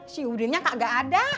si udinnya kagak ada